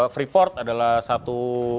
freeport adalah satu